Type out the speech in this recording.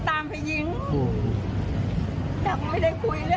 แต่ผมไม่ได้คุยเรื่องอะไร